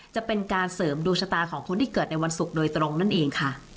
จะเป็นการเสริมดวงชะตาของคนที่เกิดในวันศุกร์โดยตรงนั่นเองค่ะ